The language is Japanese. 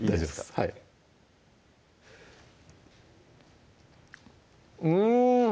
はいうん！